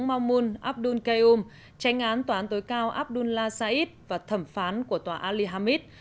maumun abdul qayyum tranh án tòa án tối cao abdullah saeed và thẩm phán của tòa ali hamid